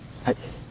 はい。